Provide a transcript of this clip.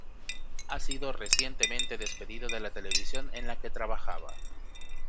Ha sido recientemente despedido de la televisión en la que trabajaba.